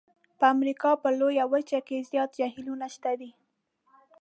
په امریکا په لویه وچه کې زیات جهیلونه شته دي.